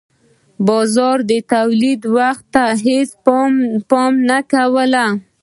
بازار د تولید وخت ته هیڅ پاملرنه نه کوله.